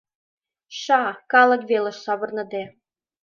— Ша! — калык велыш савырныде.